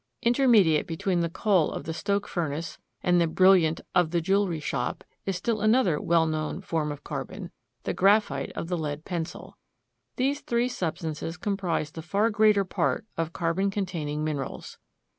Intermediate between the coal of the stoke furnace and the "brilliant" of the jewelry shop is still another well known form of carbon, the graphite of the lead pencil. These three substances comprise the far greater part of carbon containing minerals.